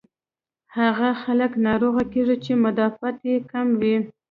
هاغه خلک ناروغه کيږي چې مدافعت ئې کم وي